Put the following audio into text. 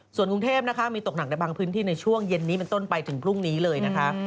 ส่วนกรุงเทพนะคะมีตกหนักในบางพื้นที่ในช่วงเย็นนี้เป็นต้นไปถึงพรุ่งนี้เลยนะคะ